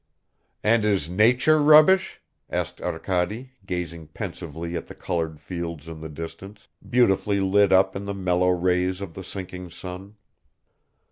"And is nature rubbish?" said Arkady, gazing pensively at the colored fields in the distance, beautifully lit up in the mellow rays of the sinking sun.